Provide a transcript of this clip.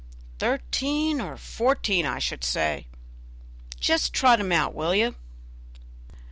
"Thirteen or fourteen, I should say; just trot him out, will you?"